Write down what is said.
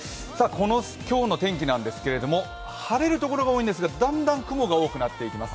今日の天気なんですけれども、晴れる所が多いんですが、だんだん雲が多くなっていきます。